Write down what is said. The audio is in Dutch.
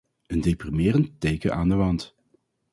Een deprimerend teken aan de wand.